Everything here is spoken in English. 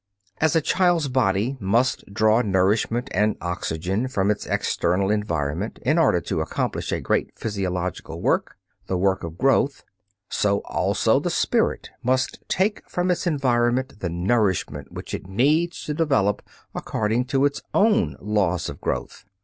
As the child's body must draw nourishment and oxygen from its external environment, in order to accomplish a great physiological work, the work of growth, so also the spirit must take from its environment the nourishment which it needs to develop according to its own "laws of growth."